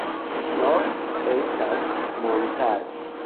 Norde estas montaro.